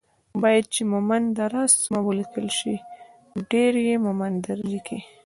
بايد چې مومند دره سمه وليکل شي ،ډير يي مومندره ليکي